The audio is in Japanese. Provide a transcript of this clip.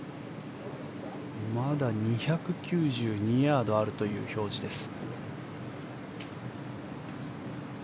まだ２９２ヤードあるという表示です。